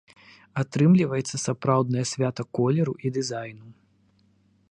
Атрымліваецца сапраўднае свята колеру і дызайну.